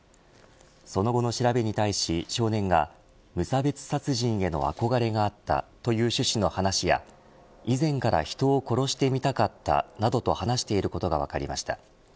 その後の調べに対し少年が無差別殺人への憧れがあったという趣旨の話や以前から人を殺してみたかったなどと話していることが分かりました